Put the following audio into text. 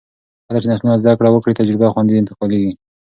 کله چې نسلونه زده کړه وکړي، تجربه خوندي انتقالېږي.